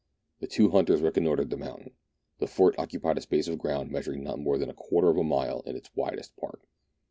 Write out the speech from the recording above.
The two hunters reconnoitred the mountain. The fort occupied a space of ground measuring not more than a quarter of a mile in its widest part.